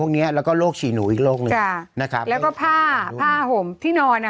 เนี้ยแล้วก็โรคฉี่หนูอีกโรคหนึ่งค่ะนะครับแล้วก็ผ้าผ้าห่มที่นอนอ่ะ